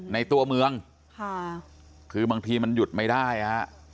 ในตัวเมืองค่ะคือบางทีมันหยุดไม่ได้ฮะ